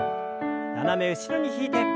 斜め後ろに引いて。